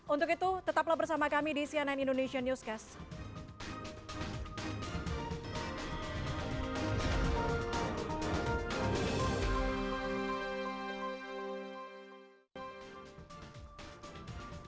untuk itu tetaplah bersama kami di cnn indonesia newscast